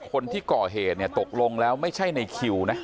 คนที่เกาะเหตุตกลงแล้วไม่ใช่ในคิวนะ